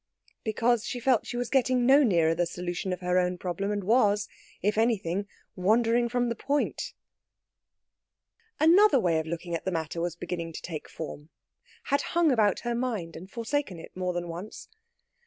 Because she felt she was getting no nearer the solution of her own problem, and was, if anything, wandering from the point. Another way of looking at the matter was beginning to take form: had hung about her mind and forsaken it more than once.